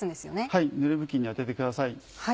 はいぬれ布巾に当ててください。